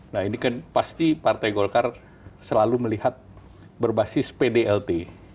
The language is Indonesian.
nah ini kan pasti partai golkar selalu melihat berbasis pdlt